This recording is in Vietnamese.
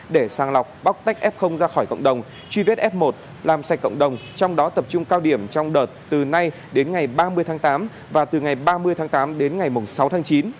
để sàng lọc bóc tách f ra khỏi cộng đồng truy vết f một làm sạch cộng đồng trong đó tập trung cao điểm trong đợt từ nay đến ngày ba mươi tháng tám và từ ngày ba mươi tháng tám đến ngày sáu tháng chín